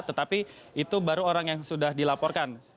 tetapi itu baru orang yang sudah dilaporkan